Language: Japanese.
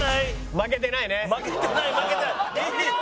負けてない！